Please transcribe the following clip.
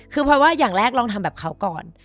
คือพลอยว่าอย่างแรกลองทำแบบเขาก่อน